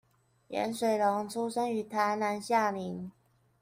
顏水龍出生於台南下營